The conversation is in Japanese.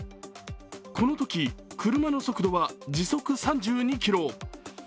このとき、車の速度は時速３２キロ。